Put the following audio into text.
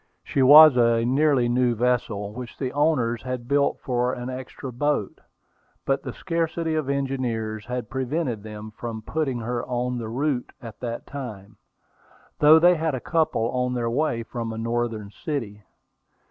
She was a nearly new vessel, which the owners had built for an extra boat, but the scarcity of engineers had prevented them from putting her on the route at that time, though they had a couple on their way from a northern city.